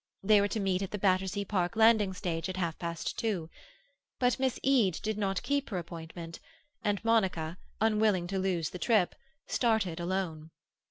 They were to meet at the Battersea Park landing stage at half past two. But Miss Eade did not keep her appointment, and Monica, unwilling to lose the trip, started alone.